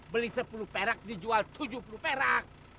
beli sepuluh perak dijual tujuh puluh perak